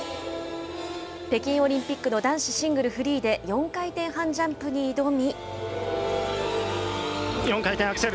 北京オリンピックの男子シングルフリーで、４回転半ジャンプに挑み。